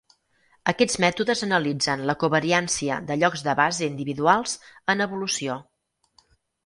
Aquests mètodes analitzen la covariància de llocs de base individuals en evolució.